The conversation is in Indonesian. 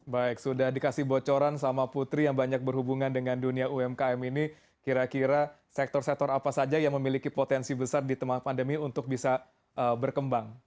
baik sudah dikasih bocoran sama putri yang banyak berhubungan dengan dunia umkm ini kira kira sektor sektor apa saja yang memiliki potensi besar di tengah pandemi untuk bisa berkembang